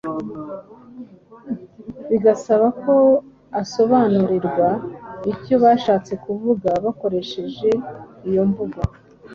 Bigasaba ko asobanurirwa icyo bashatse kuvuga bakoresheje iyo mvugo